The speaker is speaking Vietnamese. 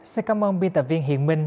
xin cảm ơn biên tập viên hiện minh